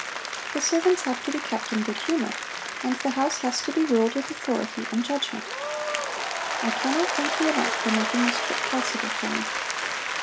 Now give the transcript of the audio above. The servants have to be kept in good humor, and the house has to be ruled with authority and judgment. I cannot thank you enough for making this trip possible for me."